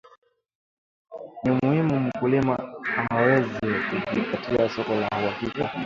ni muhimu mkulima aweze kujipatia soko la uhakika